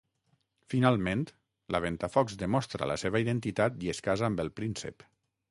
Finalment, la Ventafocs demostra la seva identitat i es casa amb el príncep.